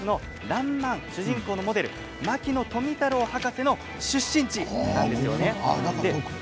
「らんまん」主人公のモデル牧野富太郎博士の出身地なんですよね。